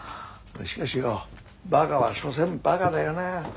しかしよバカは所詮バカだよな。